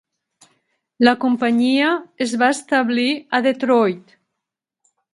La companyia es va establir a Detroit.